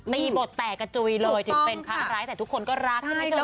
บทแตกกระจุยเลยถึงเป็นพระร้ายแต่ทุกคนก็รักใช่ไหม